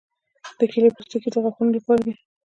د کیلې پوستکي د غاښونو لپاره دي.